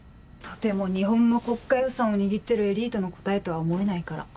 とても日本の国家予算を握ってるエリートの答えとは思えないから。